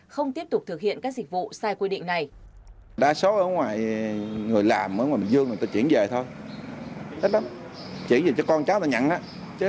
không tiếp tục thực hiện các dịch vụ sai quy định này